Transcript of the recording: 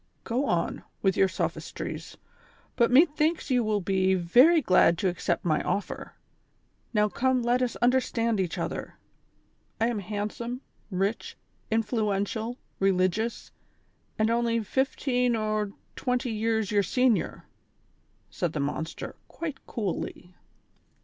'' Go on, with your sophistries, but methiuks you will be very glad to accept my offer ; now come let us understand each other ; I am handsome, rich, influential, religious and only fifteen ortwenty years your senior," said the monster, quite coolly.